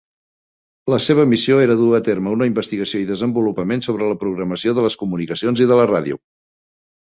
La seva missió era dur a terme una investigació i desenvolupament sobre la propagació de les comunicacions i de la ràdio.